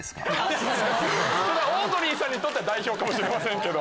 オードリーさんにとっては代表かもしれませんけど。